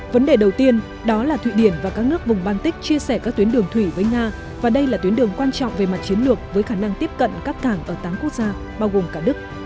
vấn đề đầu tiên đó là thụy điển và các nước vùng baltic chia sẻ các tuyến đường thủy với nga và đây là tuyến đường quan trọng về mặt chiến lược với khả năng tiếp cận các cảng ở tám quốc gia bao gồm cả đức